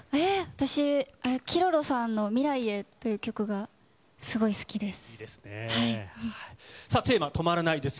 私、Ｋｉｒｏｒｏさんの未来へっていう曲がすごい好きです。